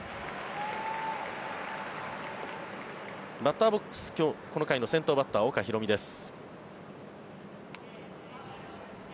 バッターボックスこの回の先頭バッター岡大海です。